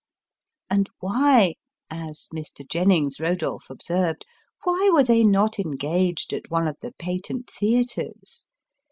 And why (as Mr. Jennings Rodolph observed) why were they not engaged at one of the patent theatres?